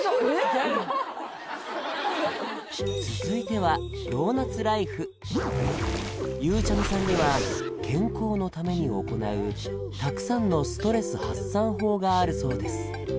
・ギャル続いてはゆうちゃみさんには健康のために行うたくさんのストレス発散法があるそうです